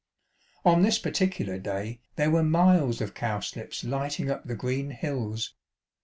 " On this particular day, there were miles of cowslips lighting up the green hills.